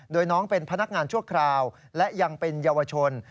โดยน้องเป็นพนักงานชั่วคราวและยังเป็นเยาวชน